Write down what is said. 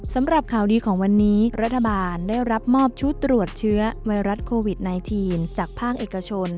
สำหรับข่าวดีของวันนี้รัฐบาลได้รับมอบชุดตรวจเชื้อไวรัสโควิด๑๙จากภาคเอกชน